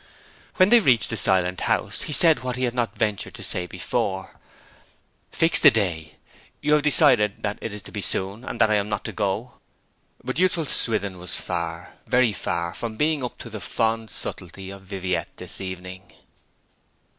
When they reached the silent house he said what he had not ventured to say before, 'Fix the day you have decided that it is to be soon, and that I am not to go?' But youthful Swithin was far, very far, from being up to the fond subtlety of Viviette this evening.